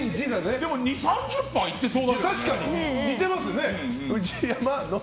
でも、２０３０％いってそうだけどね。